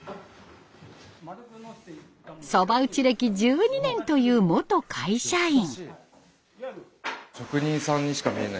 そば打ち歴１２年という元会社員。